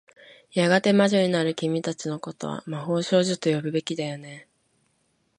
やがて魔女になる君たちの事は、魔法少女と呼ぶべきだよね。